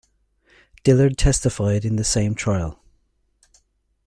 Dillard testified in the same trial.